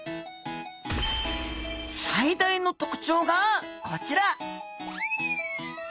最大の特徴がこちら！